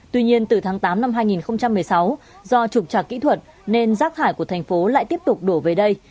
tuy nhiên từ tháng tám năm hai nghìn một mươi sáu do trục trạc kỹ thuật nên rác thải của thành phố lại tiếp tục đổ về đây